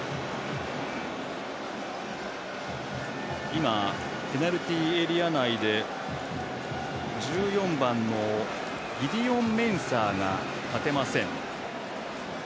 今、ペナルティーエリア内で１４番のギディオン・メンサーが立てません。